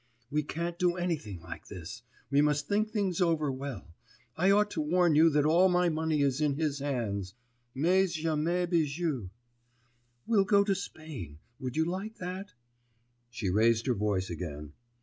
'We can't do anything like this; we must think things over well. I ought to warn you that all my money is in his hands; mais j'ai mes bijoux. We'll go to Spain, would you like that?' She raised her voice again.